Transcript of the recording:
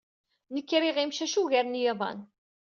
Nekk riɣ imcac ugar n yiḍan.